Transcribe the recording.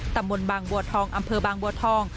ตำบลบางบัวทองอำเภอบางบัวทอง